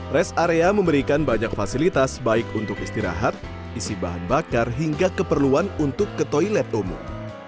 rest area memberikan banyak fasilitas baik untuk istirahat isi bahan bakar hingga keperluan untuk ke toilet umum